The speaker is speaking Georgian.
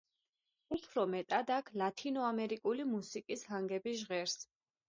უფრო მეტად აქ ლათინო ამერიკული მუსიკის ჰანგები ჟღერს.